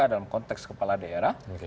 dalam konteks kepala daerah